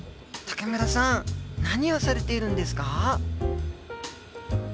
武村さん何をされているんですか？